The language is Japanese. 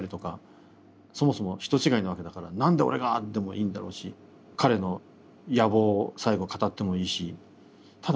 そもそも人違いなわけだから「何で俺が！」でもいいんだろうし彼の野望を最後語ってもいいしただ